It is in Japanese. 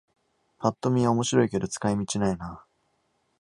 ぱっと見は面白いけど使い道ないな